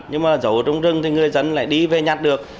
nhưng mà dẫu ở trong rừng thì người dân lại đi về nhặt được